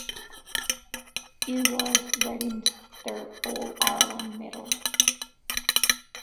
It was Reddin's third All-Ireland medal.